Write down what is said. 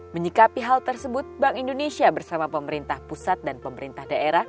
menyikapi hal tersebut bank indonesia bersama pemerintah pusat dan pemerintah daerah